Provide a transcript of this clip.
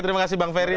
terima kasih bang ferry